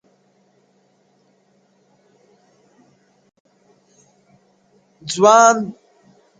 ځوان د پوره سلو سلگيو څه راوروسته”